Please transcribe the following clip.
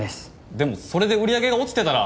でもそれで売り上げが落ちてたら。